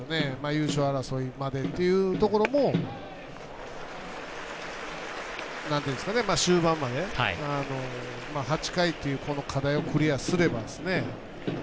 優勝争いまでというところも終盤まで、８回っていう課題をクリアすれば。